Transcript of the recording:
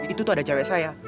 itu tuh ada cewek saya